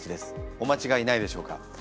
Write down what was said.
お間違えないでしょうか？